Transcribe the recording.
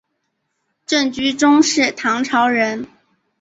郑居中是唐朝人。